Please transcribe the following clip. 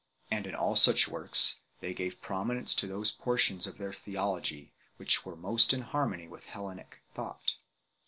And in all such works, they gave prominence to those portions of their theology which were most in harmony with Hellenic thought.